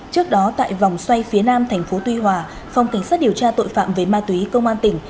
trước đó tại vòng xoay phía nam tp tuy hòa phòng cảnh sát điều tra tội phạm về ma túy công an tỉnh